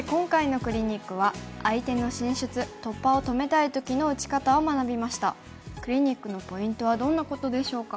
クリニックのポイントはどんなことでしょうか。